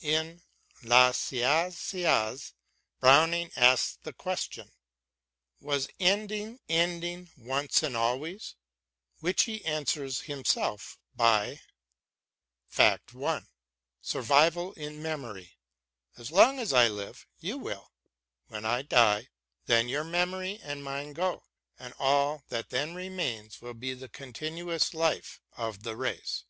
In " La Saisiaz " Browning asks the question, " Was ending ending once and always ?" Which he answers himself by : Fact I. Survival in memory. As long as I live, you will \ when I die, then your memory and mine go, and all that then remains will be the continuous life of the race.